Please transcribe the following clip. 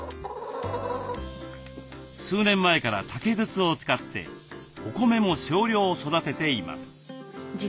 数年前から竹筒を使ってお米も少量育てています。